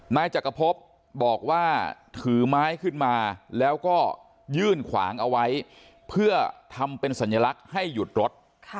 นายจักรพบบอกว่าถือไม้ขึ้นมาแล้วก็ยื่นขวางเอาไว้เพื่อทำเป็นสัญลักษณ์ให้หยุดรถ